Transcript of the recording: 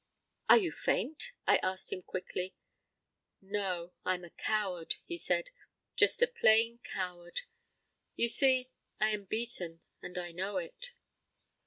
"Are you faint?" I asked him quickly. "No, I am a coward," he said, "just a plain coward. You see, I am beaten and I know it."